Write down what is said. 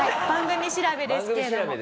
番組調べですね。